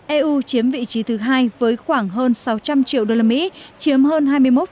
eu chiếm vị trí thứ hai với khoảng hơn sáu trăm linh triệu usd chiếm hơn hai mươi một